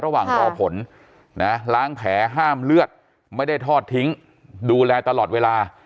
ระหว่างรอผลนะล้างแผลห้ามเลือดไม่ได้ทอดทิ้งดูแลตลอดเวลา